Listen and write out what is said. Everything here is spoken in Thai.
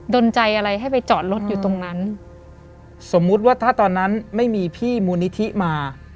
ดนใจอะไรให้ไปจอดรถอยู่ตรงนั้นสมมุติว่าถ้าตอนนั้นไม่มีพี่มูลนิธิมา